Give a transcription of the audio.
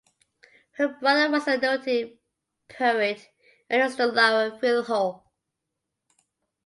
Her brother was the noted poet Ernesto Lara Filho.